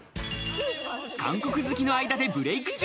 韓国好きの間でブレイク中。